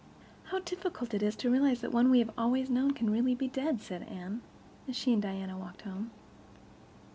"How difficult it is to realize that one we have always known can really be dead," said Anne, as she and Diana walked home.